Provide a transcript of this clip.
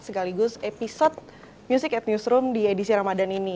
sekaligus episode music at newsroom di edisi ramadan ini